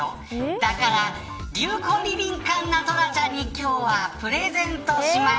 だから流行に敏感なトラちゃんに今日はプレゼントします。